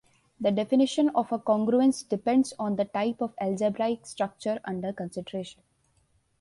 The definition of a congruence depends on the type of algebraic structure under consideration.